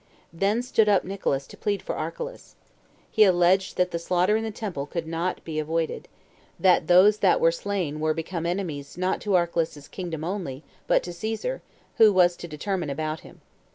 Then stood up Nicolaus to plead for Archelaus. He alleged that the slaughter in the temple could not be avoided; that those that were slain were become enemies not to Archelaus's kingdom, only, but to Caesar, who was to determine about him.